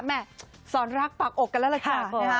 แม่สอนรักปากอกกันแล้วล่ะค่ะ